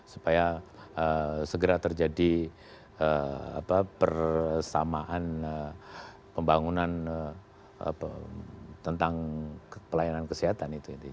supaya segera terjadi persamaan pembangunan tentang pelayanan kesehatan itu